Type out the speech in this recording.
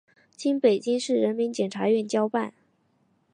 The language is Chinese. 经北京市人民检察院交办